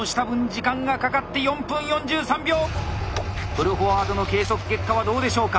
プルフォワードの計測結果はどうでしょうか。